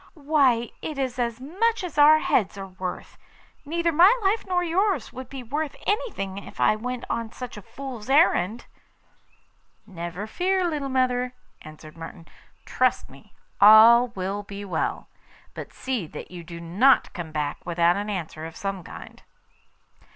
Why, it is as much as our heads are worth. Neither my life nor yours would be worth anything if I went on such a fool's errand.' 'Never fear, little mother,' answered Martin. 'Trust me; all will be well. But see that you do not come back without an answer of some kind.